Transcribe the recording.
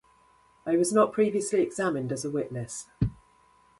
I was not previously examined as a witness.